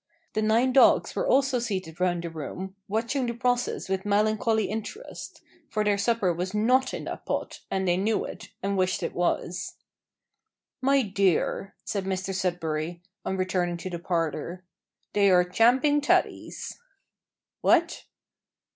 The nine dogs were also seated round the room, watching the process with melancholy interest; for their supper was not in that pot, and they knew it, and wished it was. "My dear," said Mr Sudberry, on returning to the parlour, "they are `champing tatties.'" "What?"